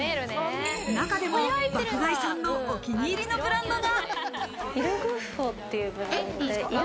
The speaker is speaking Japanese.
中でも爆買いさんのお気に入りのブランドが。